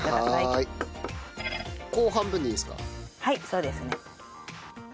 はいそうですね。